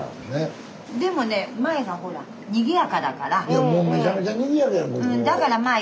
いやもうめちゃめちゃにぎやかやんここ。